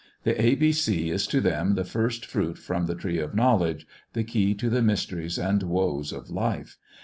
The A, B, C, is to them the first fruit from the tree of knowledge, the key to the mysteries and woes of life.